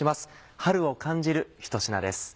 春を感じる１品です。